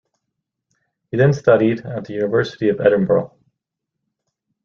He then studied at the University of Edinburgh.